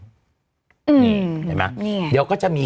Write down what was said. นี่เห็นไหมนี่ไงเดี๋ยวก็จะมี